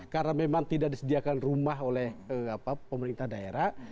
karena memang tidak disediakan rumah oleh pemerintah daerah